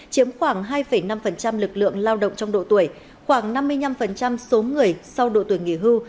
chiếm khoảng hai năm lực lượng lao động trong độ tuổi khoảng năm mươi năm số người sau độ tuổi nghỉ hưu